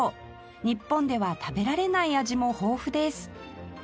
日本では食べられない味も豊富です